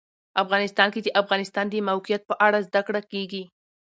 افغانستان کې د د افغانستان د موقعیت په اړه زده کړه کېږي.